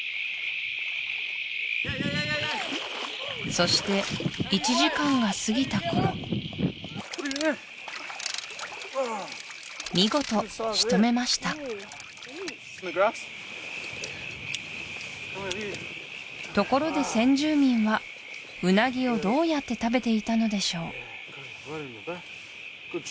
そして１時間がすぎた頃見事しとめましたところで先住民はウナギをどうやって食べていたのでしょう？